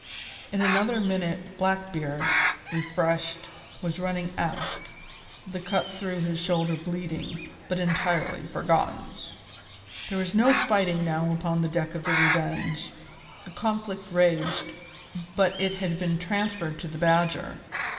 In another minute Blackbeard, refreshed, was running aft, the cut through his shoulder bleeding, but entirely forgotten. There was no fighting now upon the deck of the Revenge; the conflict raged, but it had been transferred to the Badger.